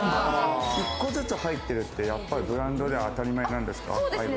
１個ずつ入ってるっていうのは、ブランドでは当たり前なんですか？